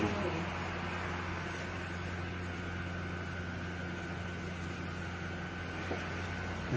ไม่จะรอเลย